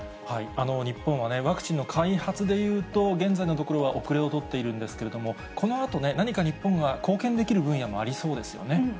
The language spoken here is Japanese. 日本はワクチンの開発でいうと、現在のところは後れを取っているんですけれども、このあと、何か日本が貢献できる分野もありそうですよね。